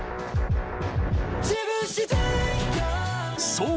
そう！